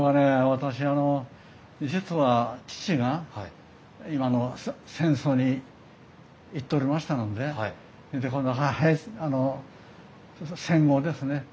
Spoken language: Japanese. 私あの実は父が戦争に行っとりましたのでで今度あの戦後ですね。